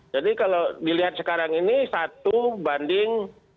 jadi kalau dilihat sekarang ini satu banding lima belas